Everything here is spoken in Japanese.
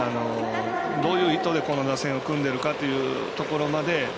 どういう意図でこの打線を組んでるかというところまで。